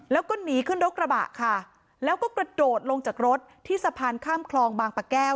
แล้วก็หนีขึ้นรถกระบะค่ะแล้วก็กระโดดลงจากรถที่สะพานข้ามคลองบางปะแก้ว